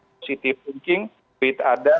cctv king duit ada